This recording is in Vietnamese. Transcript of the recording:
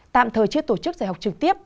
tạm thời chưa tổ chức giải học trực tiếp